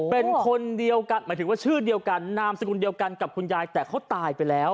หมายถึงว่าชื่อเดียวกันนามสกุลเดียวกันกับคุณยายแต่เขาตายไปแล้ว